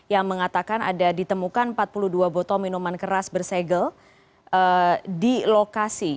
yang mengatakan ada ditemukan empat puluh dua botol minuman keras bersegel di lokasi